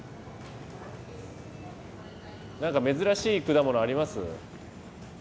何か珍しい果物あります？